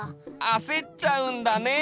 あせっちゃうんだね！